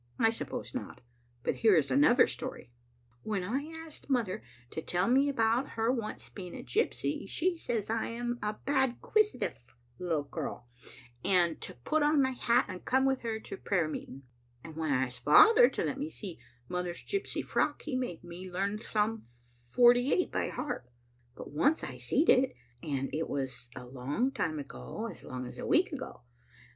I suppose not; but here is another story :" When I ask mother to tell me about her once being a gypsy she says I am a bad 'quisitive little girl, and to put on my hat and come with her to the prayer meeting; and when I asked father to let me see mother's gypsy frock he made me learn Psalm forty eight by heart. But once I see'd it, and it was a long time ago, as long as a week ago.